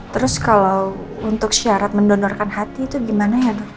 terus kalau untuk syarat mendonorkan hati itu gimana ya dok